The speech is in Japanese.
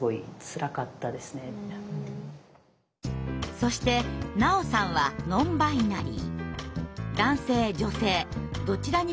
そして菜央さんはノンバイナリー。